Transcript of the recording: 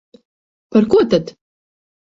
Par ko tad?